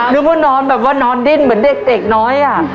นึกว่านอนดินเหมือนเด็กน้อยอะ